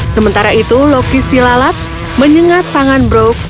sementara itu loki silalat menyengat tangan brok